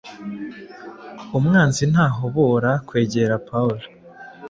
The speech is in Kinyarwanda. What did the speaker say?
Umwanzi ntahobora kwegera paul